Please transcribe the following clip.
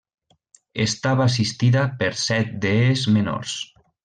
Estava assistida per set dees menors.